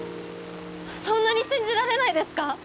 そんなに信じられないですか？